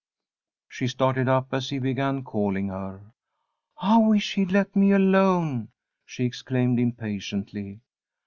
She started up as he began calling her. "I wish he'd let me alone," she exclaimed, impatiently.